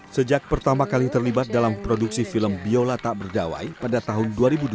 sejak pertama kali terlibat dalam produksi film biola tak berdawai pada tahun dua ribu dua